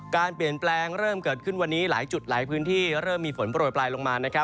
การเปลี่ยนแปลงเริ่มเกิดขึ้นวันนี้หลายจุดหลายพื้นที่เริ่มมีฝนโปรยปลายลงมา